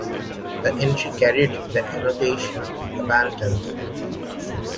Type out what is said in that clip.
The entry carried the annotation "Abandoned".